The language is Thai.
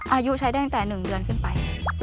อายุใช้ได้ตั้งแต่๑เดือนขึ้นไป